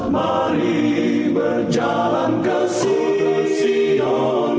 mari berjalan ke sion